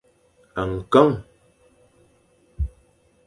Nkeng!